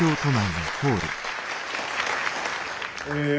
え